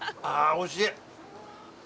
おいしい。